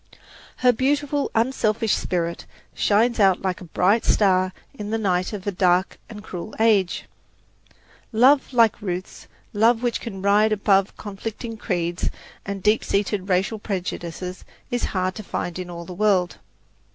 Her beautiful, unselfish spirit shines out like a bright star in the night of a dark and cruel age. Love like Ruth's, love which can rise above conflicting creeds and deep seated racial prejudices, is hard to find in all the world.